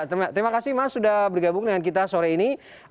terima kasih mas sudah bergabung dengan kita sore ini